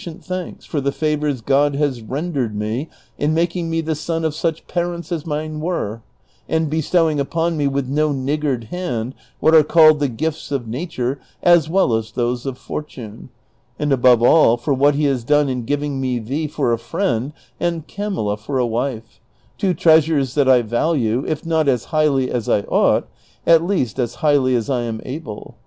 sulHuient thanks for the favors God has rendered me in making me the son of snch parents as mine were, and bestowing upon me with no niggard hand what are called the gifts of natiiit* as wcUl as those of fortune, and above all for what he has done in giving me thee for a friend and Camilla for a wife — two treasures that 1 value, if not as highly as I ought, at least as highly as I am able.